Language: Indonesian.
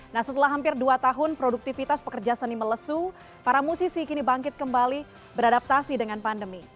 nah setelah hampir dua tahun produktivitas pekerja seni melesu para musisi kini bangkit kembali beradaptasi dengan pandemi